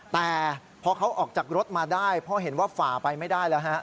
แต่พอเขาออกจากรถมาได้เพราะเห็นว่าฝ่าไปไม่ได้แล้วฮะ